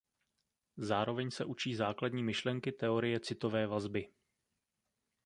Zároveň se učí základní myšlenky teorie citové vazby.